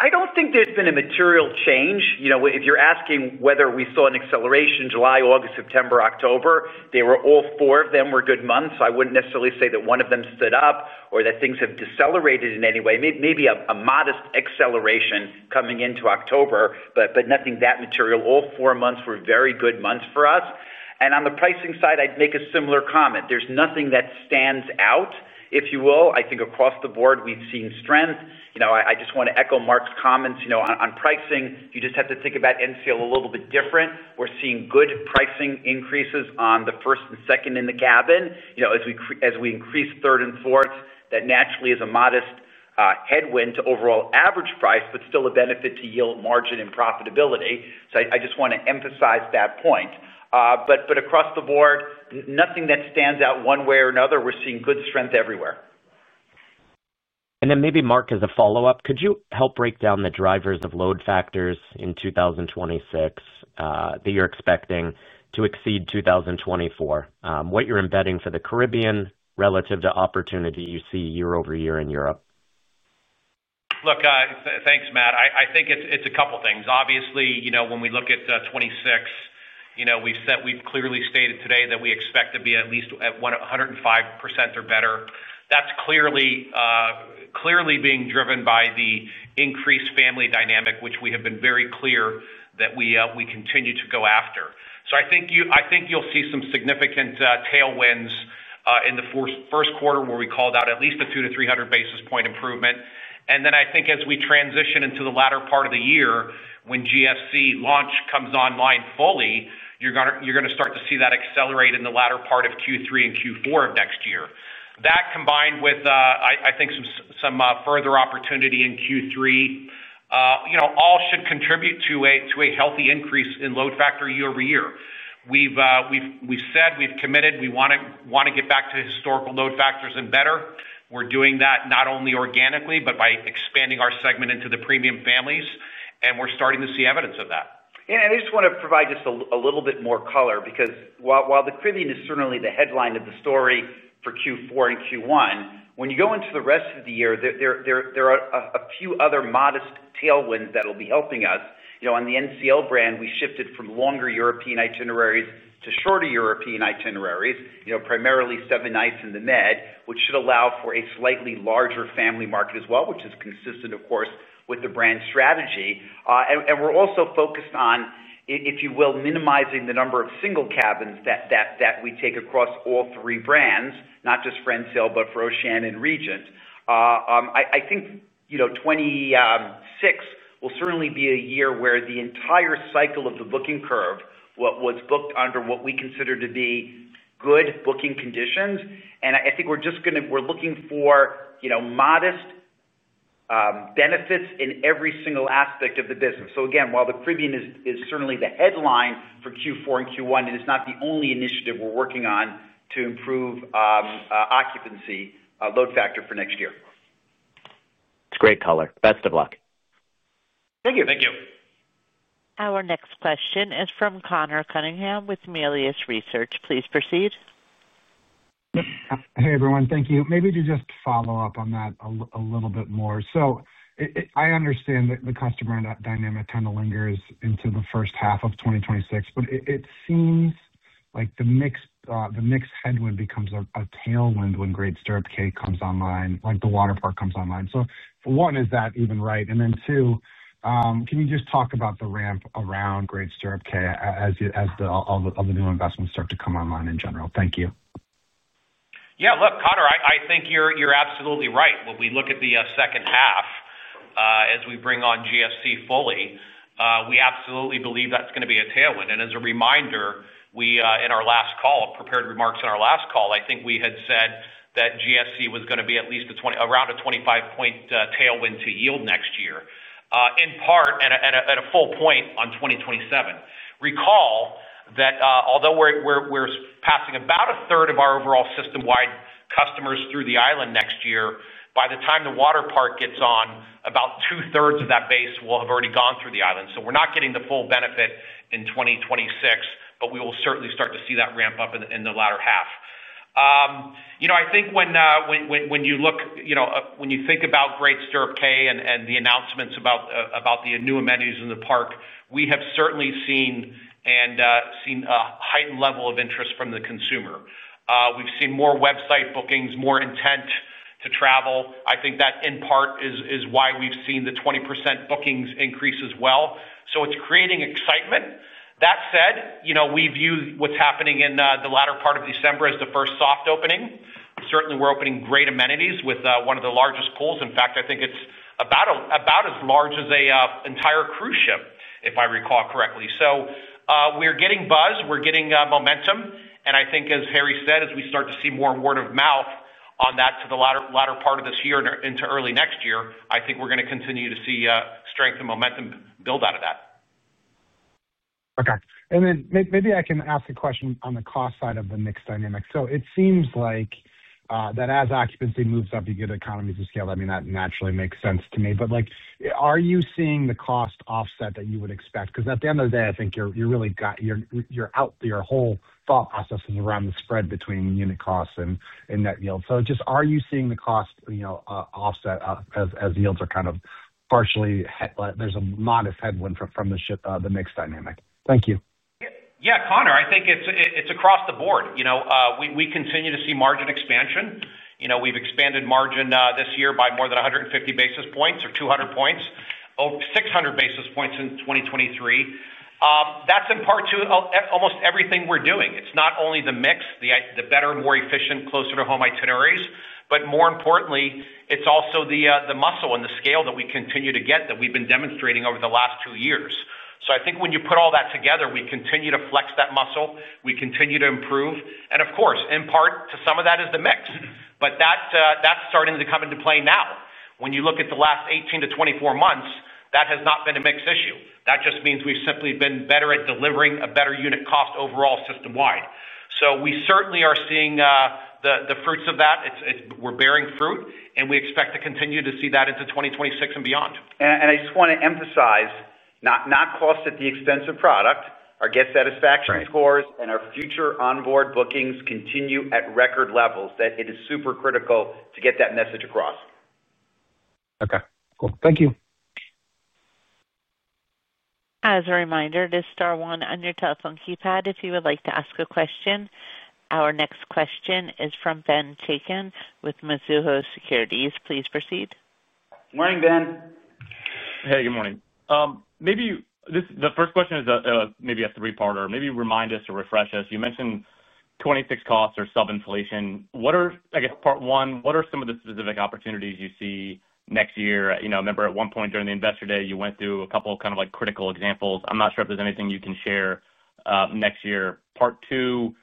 I don't think there's been a material change. You know, if you're asking whether we saw an acceleration July, August, September, October, they were all four of them were good months. I wouldn't necessarily say that one of them stood up or that things have decelerated in any way. Maybe a modest acceleration coming into October, but nothing that material. All four months were very good months for us. On the pricing side, I'd make a similar comment. There's nothing that stands out, if you will. I think across the board, we've seen strength. You know, I just want to echo Mark's comments, you know, on pricing. You just have to think about NCL a little bit different. We're seeing good pricing increases on the first and second in the cabin. You know, as we increase third and fourth, that naturally is a modest headwind to overall average price, but still a benefit to yield, margin, and profitability. I just want to emphasize that point. Across the board, nothing that stands out one way or another. We're seeing good strength everywhere. Maybe, Mark, as a follow-up, could you help break down the drivers of load factors in 2026 that you're expecting to exceed 2024? What you're embedding for the Caribbean relative to opportunity you see year-over-year in Europe? Look, thanks, Matt. I think it's a couple of things. Obviously, you know, when we look at 2026, you know, we've clearly stated today that we expect to be at least at 105% or better. That's clearly being driven by the increased family dynamic, which we have been very clear that we continue to go after. I think you'll see some significant tailwinds in the first quarter where we called out at least a 200-300 basis point improvement. I think as we transition into the latter part of the year, when GSC launch comes online fully, you're going to start to see that accelerate in the latter part of Q3 and Q4 of next year. That combined with, I think, some further opportunity in Q3, all should contribute to a healthy increase in load factor year-over-year. We've said we've committed we want to get back to historical load factors and better. We're doing that not only organically, but by expanding our segment into the premium families. We're starting to see evidence of that. I just want to provide just a little bit more color because while the Caribbean is certainly the headline of the story for Q4 and Q1, when you go into the rest of the year, there are a few other modest tailwinds that will be helping us. You know, on the NCL brand, we shifted from longer European itineraries to shorter European itineraries, you know, primarily seven nights in the Mediterranean, which should allow for a slightly larger family market as well, which is consistent, of course, with the brand strategy. We are also focused on, if you will, minimizing the number of single cabins that we take across all three brands, not just Norwegian, but for Oceania and Regent. I think, you know, 2026 will certainly be a year where the entire cycle of the booking curve was booked under what we consider to be good booking conditions. I think we are just going to, we are looking for, you know, modest benefits in every single aspect of the business. Again, while the Caribbean is certainly the headline for Q4 and Q1, it is not the only initiative we are working on to improve occupancy load factor for next year. It is great color. Best of luck. Thank you. Thank you. Our next question is from Conor Cunningham with Melius Research. Please proceed. Hey, everyone. Thank you. Maybe to just follow up on that a little bit more. I understand that the customer dynamic kind of lingers into the first half of 2026, but it seems like the mixed headwind becomes a tailwind when Great Stirrup Cay comes online, like the water park comes online. For one, is that even right? Then two, can you just talk about the ramp around Great Stirrup Cay as all the new investments start to come online in general? Thank you. Yeah. Look, Conor, I think you are absolutely right. When we look at the second half, as we bring on GSC fully, we absolutely believe that is going to be a tailwind. As a reminder, in our last call, prepared remarks in our last call, I think we had said that GSC was going to be at least around a 25-percentage point tailwind to yield next year, in part and at a full point on 2027. Recall that although we are passing about a third of our overall system-wide customers through the island next year, by the time the water park gets on, about two-thirds of that base will have already gone through the island. We are not getting the full benefit in 2026, but we will certainly start to see that ramp up in the latter half. You know, I think when you look, you know, when you think about Great Stirrup Cay and the announcements about the new amenities in the park, we have certainly seen a heightened level of interest from the consumer. We have seen more website bookings, more intent to travel. I think that in part is why we've seen the 20% bookings increase as well. It's creating excitement. That said, you know, we view what's happening in the latter part of December as the first soft opening. Certainly, we're opening great amenities with one of the largest pools. In fact, I think it's about as large as an entire cruise ship, if I recall correctly. We're getting buzz. We're getting momentum. I think, as Harry said, as we start to see more word of mouth on that to the latter part of this year and into early next year, I think we're going to continue to see strength and momentum build out of that. Okay. Maybe I can ask a question on the cost side of the mix dynamic. It seems like as occupancy moves up, you get economies of scale. I mean, that naturally makes sense to me. Are you seeing the cost offset that you would expect? At the end of the day, I think your whole thought process is around the spread between unit costs and net yield. Are you seeing the cost offset as yields are kind of partially, there's a modest headwind from the ship, the mix dynamic? Thank you. Yeah, Connor, I think it's across the board. We continue to see margin expansion. We've expanded margin this year by more than 150 basis points or 200 points, over 600 basis points in 2023. That's in part to almost everything we're doing. It's not only the mix, the better, more efficient, closer-to-home itineraries, but more importantly, it's also the muscle and the scale that we continue to get that we've been demonstrating over the last two years. I think when you put all that together, we continue to flex that muscle. We continue to improve. Of course, in part, some of that is the mix. That's starting to come into play now. When you look at the last 18-24 months, that has not been a mix issue. That just means we've simply been better at delivering a better unit cost overall system-wide. We certainly are seeing the fruits of that. We're bearing fruit, and we expect to continue to see that into 2026 and beyond. I just want to emphasize, not cost at the expense of product, our guest satisfaction scores, and our future onboard bookings continue at record levels, that it is super critical to get that message across. Okay. Cool. Thank you. As a reminder, this is star one on your telephone keypad if you would like to ask a question. Our next question is from Ben Chacon with Mizuho Securities. Please proceed. Morning, Ben. Hey, good morning. Maybe the first question is maybe a three-part or maybe remind us or refresh us. You mentioned 2026 costs or subinflation. What are, I guess, part one, what are some of the specific opportunities you see next year? You know, I remember at one point during the investor day, you went through a couple of kind of like critical examples. I'm not sure if there's anything you can share next year. Part two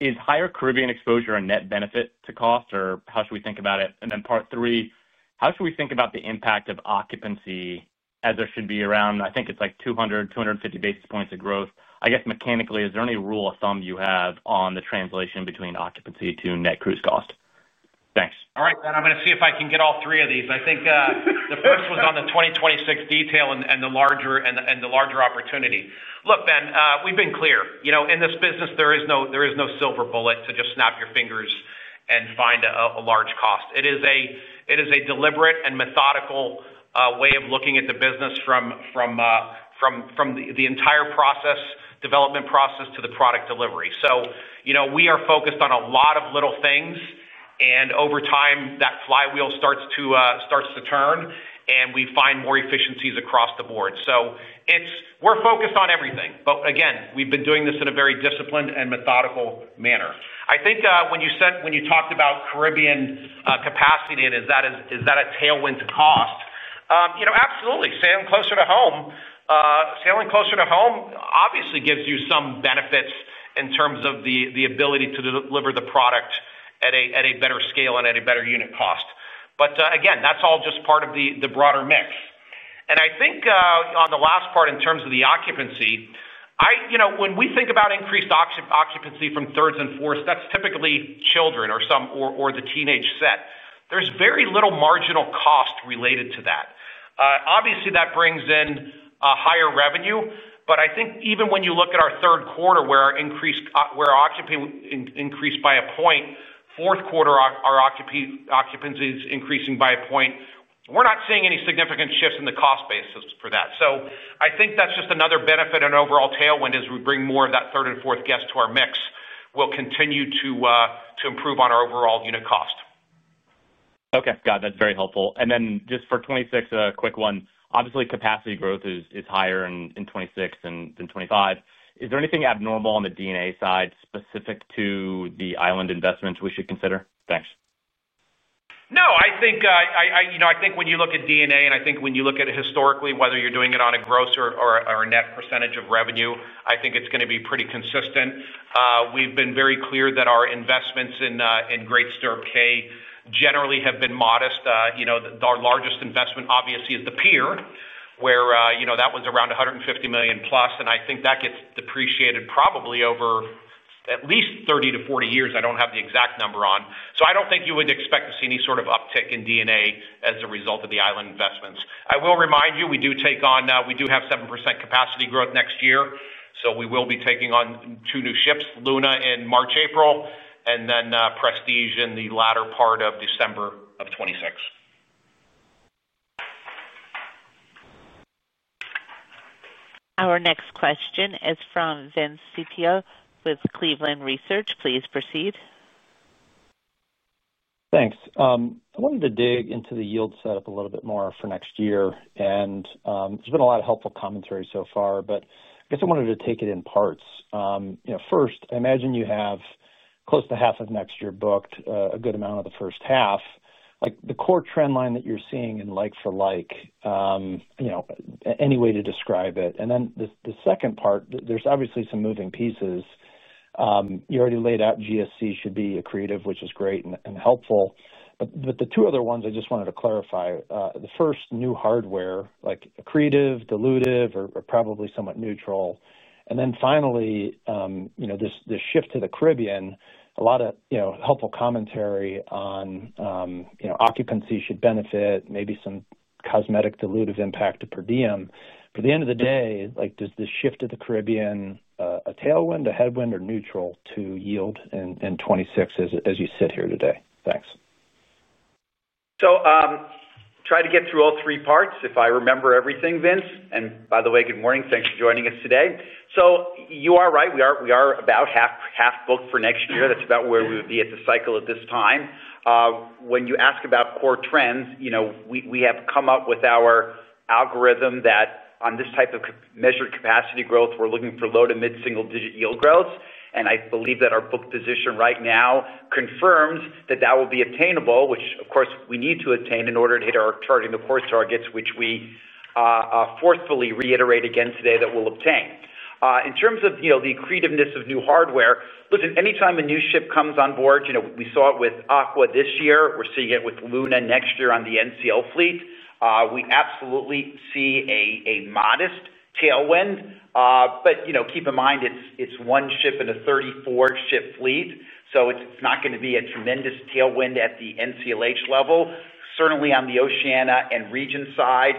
is higher Caribbean exposure a net benefit to cost, or how should we think about it? And then part three, how should we think about the impact of occupancy as there should be around, I think it's like 200-250 basis points of growth? I guess mechanically, is there any rule of thumb you have on the translation between occupancy to net cruise cost? Thanks. All right, Ben, I'm going to see if I can get all three of these. I think the first was on the 2026 detail and the larger opportunity. Look, Ben, we've been clear. You know, in this business, there is no silver bullet to just snap your fingers and find a large cost. It is a deliberate and methodical way of looking at the business from the entire process, development process, to the product delivery. So, you know, we are focused on a lot of little things, and over time, that flywheel starts to turn, and we find more efficiencies across the board. We are focused on everything. Again, we've been doing this in a very disciplined and methodical manner. I think when you talked about Caribbean capacity and is that a tailwind to cost, you know, absolutely. Sailing closer to home, sailing closer to home obviously gives you some benefits in terms of the ability to deliver the product at a better scale and at a better unit cost. Again, that's all just part of the broader mix. I think on the last part in terms of the occupancy, you know, when we think about increased occupancy from thirds and fourths, that's typically children or the teenage set. There's very little marginal cost related to that. Obviously, that brings in higher revenue, but I think even when you look at our third quarter, where our occupancy increased by a point, fourth quarter, our occupancy is increasing by a point. We're not seeing any significant shifts in the cost basis for that. I think that's just another benefit and overall tailwind as we bring more of that third and fourth guest to our mix, we'll continue to improve on our overall unit cost. Okay. Got it. That's very helpful. And then just for 2026, a quick one. Obviously, capacity growth is higher in 2026 than 2025. Is there anything abnormal on the DNA side specific to the island investments we should consider? Thanks. No, I think, you know, I think when you look at DNA and I think when you look at historically, whether you're doing it on a gross or a net percentage of revenue, I think it's going to be pretty consistent. We've been very clear that our investments in Great Stirrup Cay generally have been modest. You know, our largest investment obviously is the pier, where, you know, that was around $150 million+, and I think that gets depreciated probably over at least 30-40 years. I don't have the exact number on. I don't think you would expect to see any sort of uptick in DNA as a result of the island investments. I will remind you, we do take on, we do have 7% capacity growth next year. So we will be taking on two new ships, Luna in March, April, and then Prestige in the latter part of December of 2026. Our next question is from Vince Ciepiel with Cleveland Research. Please proceed. Thanks. I wanted to dig into the yield setup a little bit more for next year. And there's been a lot of helpful commentary so far, but I guess I wanted to take it in parts. You know, first, I imagine you have close to half of next year booked, a good amount of the first half. Like the core trend line that you're seeing in like for like, you know, any way to describe it. And then the second part, there's obviously some moving pieces. You already laid out GSC should be accretive, which is great and helpful. But the two other ones I just wanted to clarify. The first, new hardware, like accretive, dilutive, or probably somewhat neutral. And then finally, you know, this shift to the Caribbean, a lot of, you know, helpful commentary on. You know, occupancy should benefit, maybe some cosmetic dilutive impact to per diem. At the end of the day, like does this shift to the Caribbean a tailwind, a headwind, or neutral to yield in 2026 as you sit here today? Thanks. Try to get through all three parts if I remember everything, Vince. By the way, good morning. Thanks for joining us today. You are right. We are about half booked for next year. That's about where we would be at the cycle at this time. When you ask about core trends, you know, we have come up with our algorithm that on this type of measured capacity growth, we're looking for low to mid-single digit yield growth. I believe that our book position right now confirms that that will be attainable, which of course we need to attain in order to hit our charging the course targets, which we forcefully reiterate again today that we'll obtain. In terms of, you know, the accretiveness of new hardware, listen, anytime a new ship comes on board, you know, we saw it with Aqua this year. We're seeing it with Luna next year on the NCL fleet. We absolutely see a modest tailwind. But, you know, keep in mind, it's one ship in a 34-ship fleet. It's not going to be a tremendous tailwind at the NCLH level. Certainly on the Oceania and Regent side,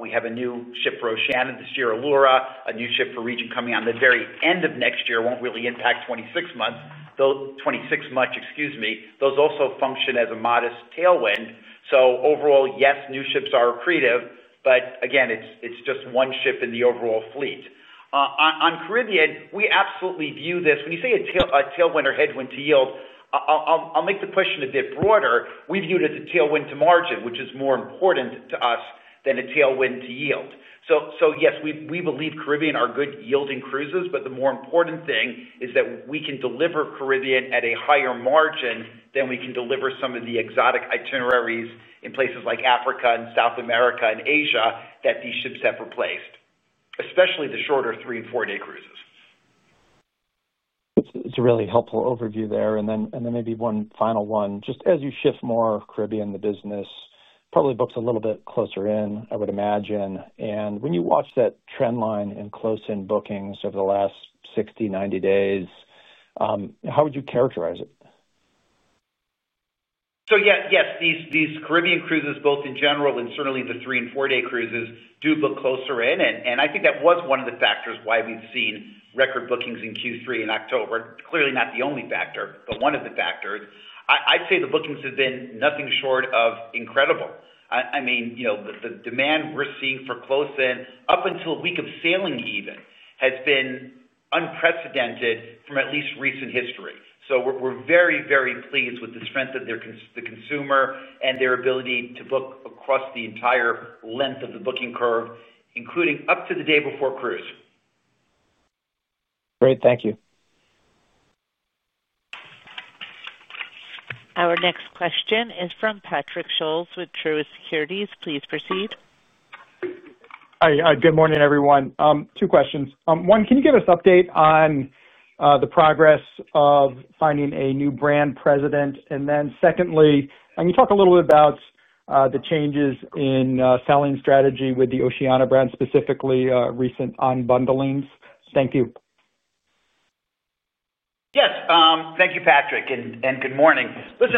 we have a new ship for Oceania this year, Allura, a new ship for Regent coming on the very end of next year. It will not really impact 2026 much, excuse me. Those also function as a modest tailwind. Overall, yes, new ships are accretive, but again, it is just one ship in the overall fleet. On Caribbean, we absolutely view this. When you say a tailwind or headwind to yield, I will make the question a bit broader. We view it as a tailwind to margin, which is more important to us than a tailwind to yield. Yes, we believe Caribbean are good yielding cruises, but the more important thing is that we can deliver Caribbean at a higher margin than we can deliver some of the exotic itineraries in places like Africa and South America and Asia that these ships have replaced, especially the shorter three and four-day cruises. It is a really helpful overview there. Maybe one final one. Just as you shift more Caribbean, the business probably books a little bit closer in, I would imagine. When you watch that trend line in close-in bookings over the last 60, 90 days, how would you characterize it? Yes, these Caribbean cruises, both in general and certainly the three and four-day cruises, do book closer in. I think that was one of the factors why we have seen record bookings in Q3 in October. Clearly not the only factor, but one of the factors. I would say the bookings have been nothing short of incredible. I mean, you know, the demand we are seeing for close-in up until a week of sailing even has been unprecedented from at least recent history. We are very, very pleased with the strength of the consumer and their ability to book across the entire length of the booking curve, including up to the day before cruise. Great. Thank you. Our next question is from Patrick Scholes with Truist Securities. Please proceed. Hi. Good morning, everyone. Two questions. One, can you give us an update on the progress of finding a new brand president? Secondly, can you talk a little bit about the changes in selling strategy with the Oceania brand, specifically recent unbundlings? Thank you. Yes. Thank you, Patrick. Good morning. Listen,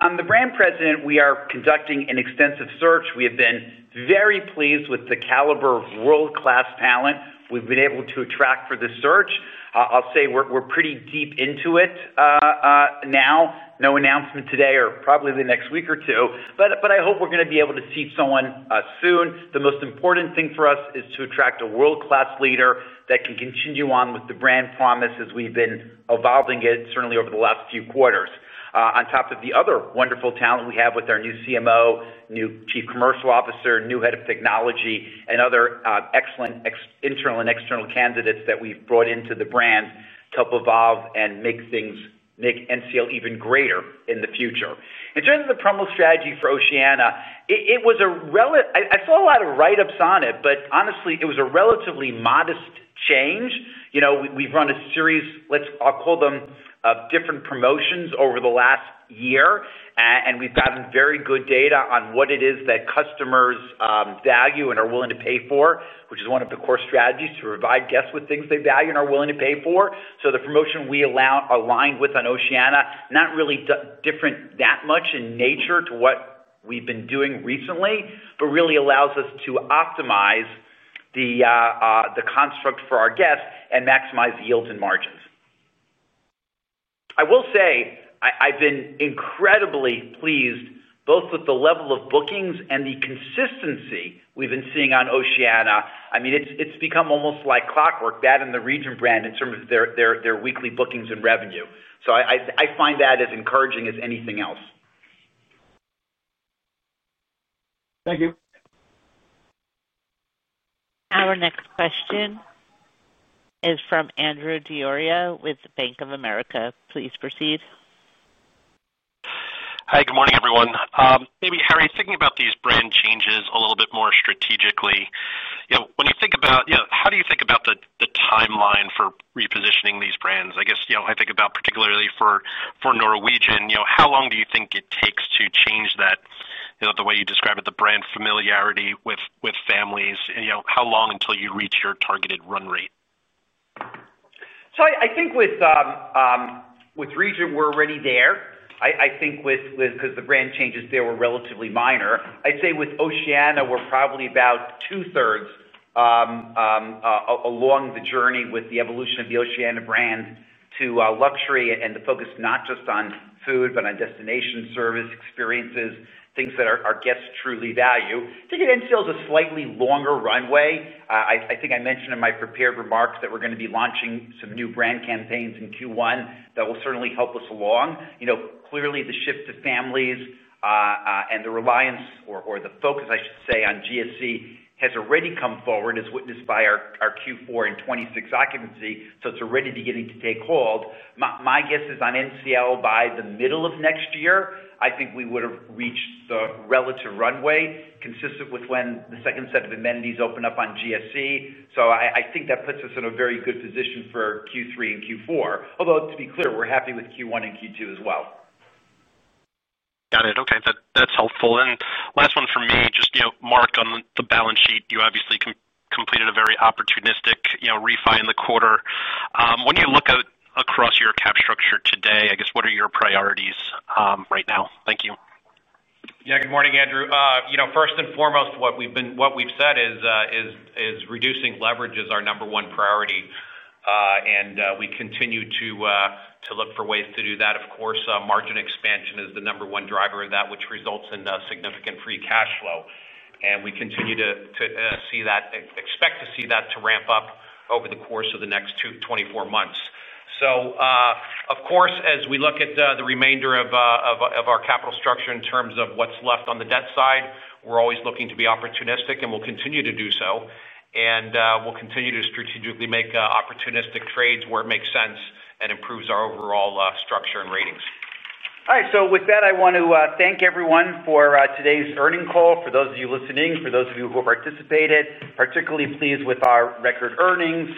on the brand president, we are conducting an extensive search. We have been very pleased with the caliber of world-class talent we have been able to attract for this search. I will say we are pretty deep into it now. No announcement today or probably the next week or two, but I hope we are going to be able to see someone soon. The most important thing for us is to attract a world-class leader that can continue on with the brand promise as we have been evolving it certainly over the last few quarters. On top of the other wonderful talent we have with our new CMO, new Chief Commercial Officer, new head of technology, and other excellent internal and external candidates that we've brought into the brand to help evolve and make NCL even greater in the future. In terms of the promo strategy for Oceania, it was a—I saw a lot of write-ups on it, but honestly, it was a relatively modest change. You know, we've run a series, I'll call them different promotions over the last year, and we've gotten very good data on what it is that customers value and are willing to pay for, which is one of the core strategies to provide guests with things they value and are willing to pay for. So the promotion we aligned with on Oceania is not really different that much in nature to what we've been doing recently, but really allows us to optimize the construct for our guests and maximize yields and margins. I will say I've been incredibly pleased both with the level of bookings and the consistency we've been seeing on Oceania. I mean, it's become almost like clockwork, that and the Regent brand in terms of their weekly bookings and revenue. I find that as encouraging as anything else. Thank you. Our next question is from Andrew Didora with Bank of America. Please proceed. Hi. Good morning, everyone. Maybe, Harry, thinking about these brand changes a little bit more strategically, you know, when you think about, you know, how do you think about the timeline for repositioning these brands? I guess, you know, I think about particularly for Norwegian, you know, how long do you think it takes to change that, you know, the way you describe it, the brand familiarity with families, and you know, how long until you reach your targeted run rate? I think with Regent, we're already there. I think with—because the brand changes there were relatively minor. I'd say with Oceania, we're probably about two-thirds along the journey with the evolution of the Oceania brand to luxury and the focus not just on food, but on destination service experiences, things that our guests truly value. I think NCL is a slightly longer runway. I think I mentioned in my prepared remarks that we're going to be launching some new brand campaigns in Q1 that will certainly help us along. You know, clearly the shift to families and the reliance or the focus, I should say, on GSC has already come forward, as witnessed by our Q4 and 2026 occupancy. It's already beginning to take hold. My guess is on NCL by the middle of next year, I think we would have reached the relative runway consistent with when the second set of amenities open up on GSC. I think that puts us in a very good position for Q3 and Q4. Although, to be clear, we're happy with Q1 and Q2 as well. Got it. Okay. That's helpful. And last one for me, just, you know, Mark, on the balance sheet, you obviously completed a very opportunistic, you know, refi in the quarter. When you look across your cap structure today, I guess, what are your priorities right now? Thank you. Yeah. Good morning, Andrew. You know, first and foremost, what we've said is reducing leverage is our number one priority. And we continue to look for ways to do that. Of course, margin expansion is the number one driver of that, which results in significant free cash flow. And we continue to see that, expect to see that to ramp up over the course of the next 24 months. Of course, as we look at the remainder of our capital structure in terms of what's left on the debt side, we're always looking to be opportunistic and we'll continue to do so. And we'll continue to strategically make opportunistic trades where it makes sense and improves our overall structure and ratings. All right. With that, I want to thank everyone for today's earnings call. For those of you listening, for those of you who have participated, particularly pleased with our record earnings,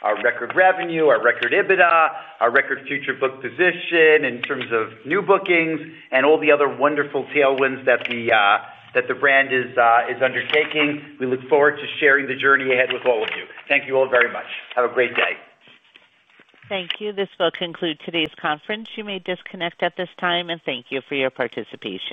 our record revenue, our record EBITDA, our record future book position in terms of new bookings, and all the other wonderful tailwinds that the brand is undertaking. We look forward to sharing the journey ahead with all of you. Thank you all very much. Have a great day. Thank you. This will conclude today's conference. You may disconnect at this time, and thank you for your participation.